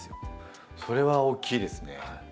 それは大きいですね。